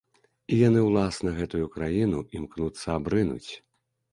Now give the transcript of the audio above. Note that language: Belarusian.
І яны ўласна гэтую краіну імкнуцца абрынуць.